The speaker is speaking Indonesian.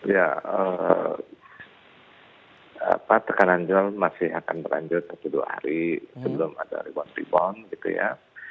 ya tekanan jual masih akan berlanjut satu dua hari sebelum ada reward rebound gitu ya